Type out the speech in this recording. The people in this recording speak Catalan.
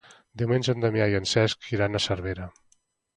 Diumenge na Damià i en Cesc iran a Cervera.